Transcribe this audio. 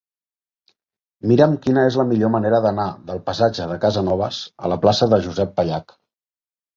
Mira'm quina és la millor manera d'anar del passatge de Casanovas a la plaça de Josep Pallach.